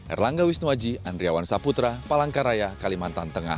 erlangga wisnuwaji andriawan saputra palangkaraya kalimantan tengah